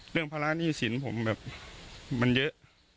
เรื่องภาระหนี้สินผมแบบมันเยอะ